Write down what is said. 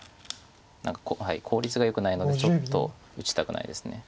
何か効率がよくないのでちょっと打ちたくないです。